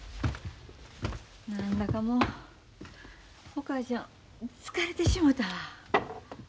何だかもうお母ちゃん疲れてしもたわ。